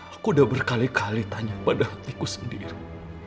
aku udah berkali kali tanya pada hatiku sendiri